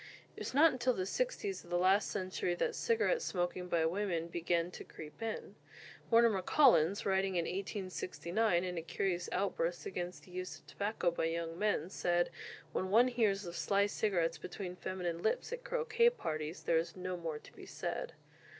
It was not until the 'sixties of the last century that cigarette smoking by women began to creep in. Mortimer Collins, writing in 1869, in a curious outburst against the use of tobacco by young men, said, "When one hears of sly cigarettes between feminine lips at croquet parties, there is no more to be said."